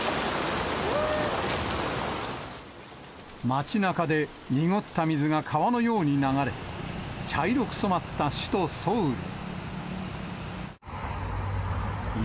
街なかで、濁った水が川のように流れ、茶色く染まった首都ソウル。